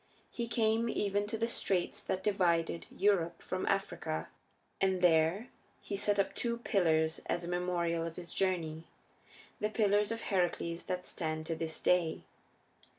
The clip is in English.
He came even to the straits that divide Europe from Africa, and there he set up two pillars as a memorial of his journey the Pillars of Heracles that stand to this day.